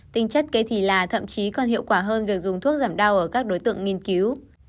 tinh chất kế thì là thậm chí còn hiệu quả hơn việc dùng thuốc giảm đau ở các đối tượng nghiên cứu